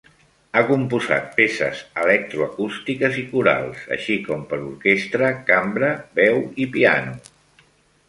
Ha composat peces electroacústiques i corals, així com per orquestra, cambra, veu i piano.